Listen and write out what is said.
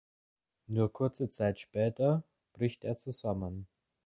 Nur kurze Zeit später bricht er zusammen.